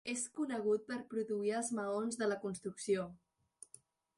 És conegut per produir els maons de la construcció.